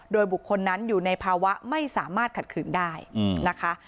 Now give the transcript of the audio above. โดยบุคคลนั้นอยู่ในภาวะไม่สามารถขัดขืนได้นะคะ